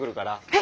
え？